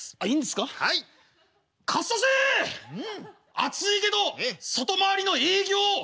暑いけど外回りの営業頑張れや！」。